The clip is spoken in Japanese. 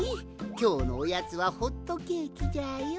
きょうのおやつはホットケーキじゃよ。